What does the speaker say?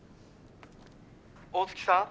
大月さん？